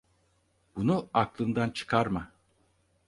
Bunu aklından çıkarma.